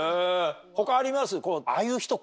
他あります？